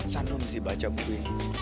saya harus baca buku ini